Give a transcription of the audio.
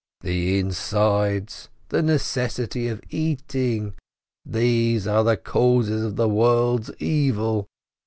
"The insides, the necessity of eating, these are the causes of the world's evil!